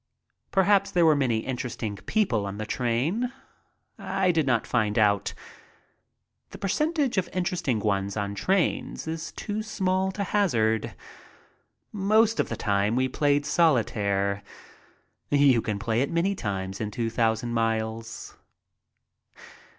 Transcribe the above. Perhaps there were many interesting people on the train. I did not find out. The percentage of interesting ones on trains is too small to hazard. Most of the time we played solitaire. You can play it many times in two thousand miles.